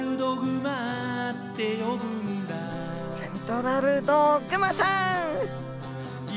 セントラルドグマさん！